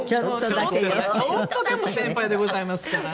ちょっとでも先輩でございますから。